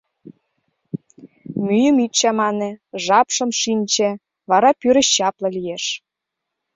Мӱйым ит чамане, жапшым шинче, вара пӱрӧ чапле лиеш...